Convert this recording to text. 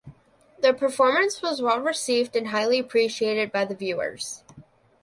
The performance was well received and highly appreciated by the viewers.